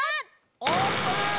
オープン！